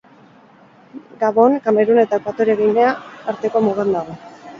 Gabon, Kamerun eta Ekuatore Ginea arteko mugan dago.